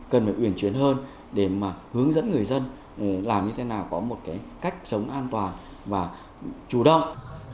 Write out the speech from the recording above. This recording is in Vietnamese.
cần phải uyển chuyển hơn để mà hướng dẫn người dân làm như thế nào có một cái cách sống an toàn và chủ động